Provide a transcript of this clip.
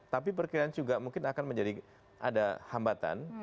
tapi perkiraan juga mungkin akan menjadi ada hambatan